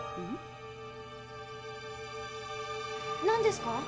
何ですか？